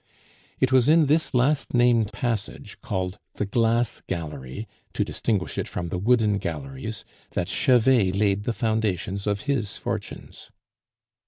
It was in this last named passage, called "The Glass Gallery" to distinguish it from the Wooden Galleries, that Chevet laid the foundations of his fortunes.